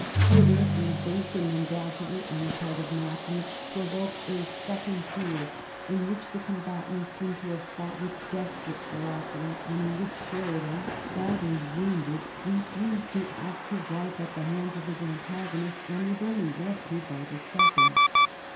Further and baser mendacity on the part of Matthews provoked a second duel, in which the combatants seem to have fought with desperate ferocity, and in which Sheridan, badly wounded, refused to ask his life at the hands of his antagonist and was only rescued by the seconds.